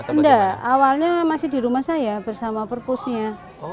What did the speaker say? tidak awalnya masih di rumah saya bersama perpusnya